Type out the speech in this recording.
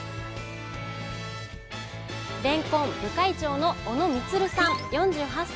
れんこん部会長の小野充さん４８歳。